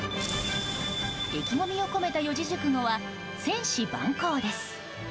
意気込みを込めた四字熟語は千思万考です。